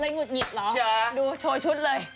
หงุดหงิดเหรอดูโชว์ชุดเลย